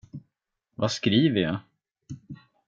Vad skriver jag?